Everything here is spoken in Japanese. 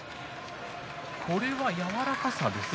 これは柔らかさですか？